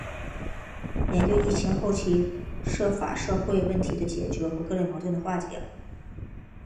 研究疫情后期涉法社会问题的解决和各类矛盾的化解